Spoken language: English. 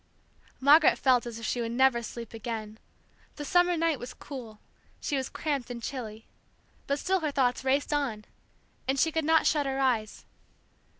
Margaret felt as if she would never sleep again. The summer night was cool, she was cramped and chilly; but still her thoughts raced on, and she could not shut her eyes.